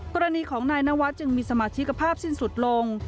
กรณีของนายนวัดจึงมีสมาชิกภาพสิ้นสุดลง